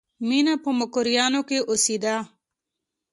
مینه په مکروریانو کې اوسېده